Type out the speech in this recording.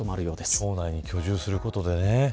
町内に居住することでね。